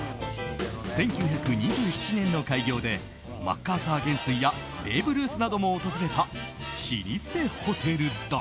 １９２７年の開業でマッカーサー元帥やベーブ・ルースなども訪れた老舗ホテルだ。